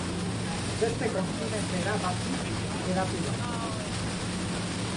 Beste kontinentera batzuk hedatu da.